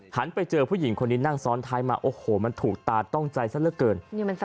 ไปเจอผู้หญิงคนนี้นั่งซ้อนท้ายมาโอ้โหมันถูกตาต้องใจซะเหลือเกิน